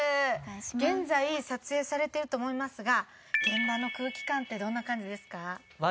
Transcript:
現在撮影されていると思いますが現場の空気感ってどんな感じですか？